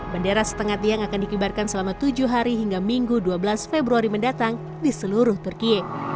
bendera setengah tiang akan dikibarkan selama tujuh hari hingga minggu dua belas februari mendatang di seluruh turkiye